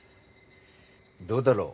どうだろう？